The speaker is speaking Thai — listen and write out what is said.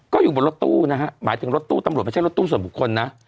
ก็อยู่บนรถตู้นะฮะหมายถึงรถตู้ตำรวจไม่ใช่รถตู้ส่วนบุคคลนะ